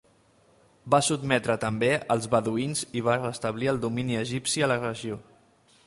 Va sotmetre també als beduïns i va restablir el domini egipci a la regió.